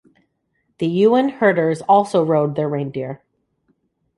The Ewen herders also rode their reindeer.